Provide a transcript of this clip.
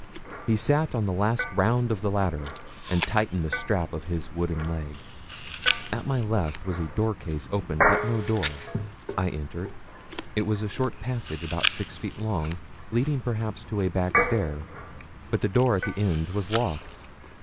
He sat on the last round of the ladder, and tightened the strap of his wooden leg. At my left was a door case open, but no door. I entered; it was a short passage about six feet long, leading perhaps to a backstair, but the door at the end was locked.